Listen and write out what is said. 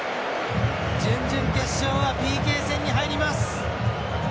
準々決勝はＰＫ戦に入ります。